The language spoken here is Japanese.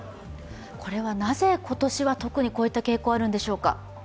なぜ今年は特にこういった傾向があるんでしょうか？